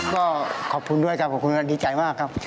ก็ขอบคุณด้วยครับขอบคุณครับดีใจมากครับ